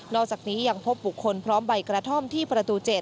อกจากนี้ยังพบบุคคลพร้อมใบกระท่อมที่ประตู๗